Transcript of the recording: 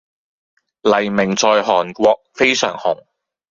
黎明在韓國非常紅